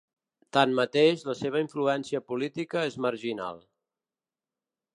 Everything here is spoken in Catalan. Tanmateix, la seva influència política és marginal.